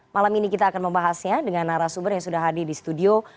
malam ini kita akan membahasnya dengan narasumber yang sudah hadir di studio